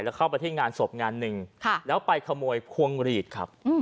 แล้วเข้าไปที่งานศพงานหนึ่งแล้วไปขโมยพวงหลีดครับ